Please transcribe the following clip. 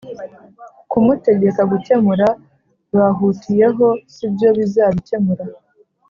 kumutegeka gukemura bahutiyeho sibyo bizabikemura